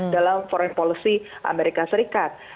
dalam foreign policy amerika serikat